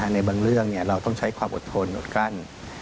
ในบางเรื่องเราต้องใช้ความอดทนอดกั้น